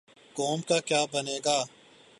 قوم کا کیا بنے گا؟